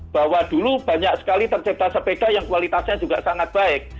bahwa dulu banyak sekali tercipta sepeda yang kualitasnya juga sangat baik